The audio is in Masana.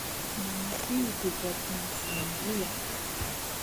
Nan vih zi vetna nen viya.